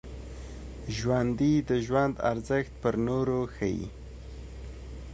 ژوندي د ژوند ارزښت پر نورو ښيي